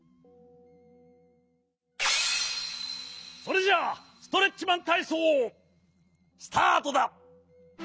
それじゃストレッチマンたいそうスタートだ。